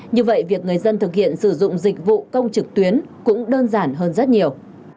như vậy việc người dân thực hiện sử dụng dịch vụ công trực tuyến cũng đơn giản hơn rất nhiều